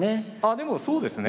でもそうですね